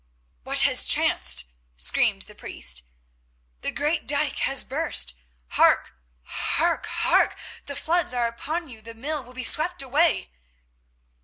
"What has chanced?" screamed the priest. "The great dyke has burst—hark, hark, hark! The floods are upon you, the mill will be swept away."